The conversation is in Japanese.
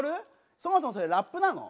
そもそもそれラップなの？